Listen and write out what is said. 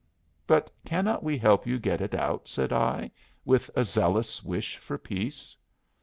"But cannot we help you get it out?" said I, with a zealous wish for peace.